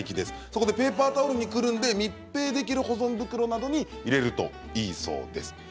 そこでペーパータオルにくるんで密閉できる保存袋などに入れるといいそうです。